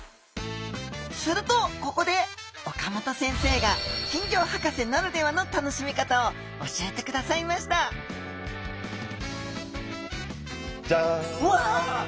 するとここで岡本先生が金魚博士ならではの楽しみ方を教えてくださいましたジャン。わ！